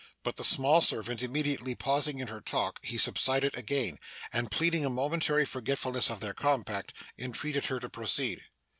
But the small servant immediately pausing in her talk, he subsided again, and pleading a momentary forgetfulness of their compact, entreated her to proceed.